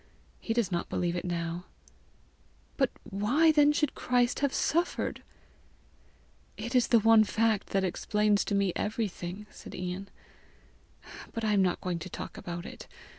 He does not believe it now." "But why then should Christ have suffered?" "It is the one fact that explains to me everything," said Ian. " But I am not going to talk about it.